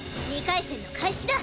２回戦の開始だ！